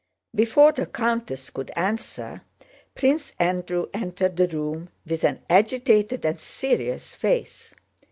Before the countess could answer, Prince Andrew entered the room with an agitated and serious face.